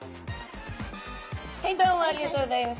はいどうもありがとうございます。